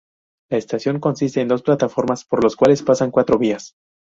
La estación consiste en dos plataformas por los cuales pasan cuatro vías.